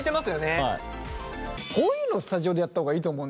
こういうのスタジオでやった方がいいと思うんだよね。